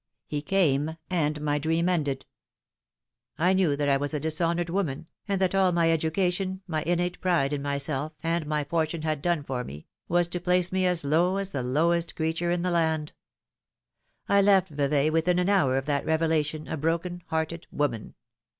He came, and my dream ended. I knew that I was a dishonoured woman, and that all my education, my innate pride in myself, and my fortune had done for me, was to place me as low as the lowest creature in the land. I left Vevay within an hour of that revelation a broken hearted woman.